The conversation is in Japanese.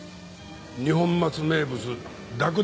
二本松名物だくだく汁。